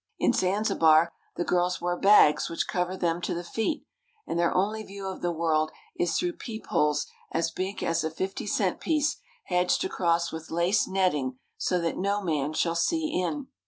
In Zanzibar the girls wear bags which cover them to the feet, and their only view of the world is through peepholes as big as a fifty cent piece hedged across with lace netting so that no man shall see in.